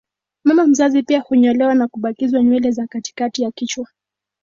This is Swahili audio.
Mama mzazi pia hunyolewa na kubakizwa nywele za katikati ya kichwa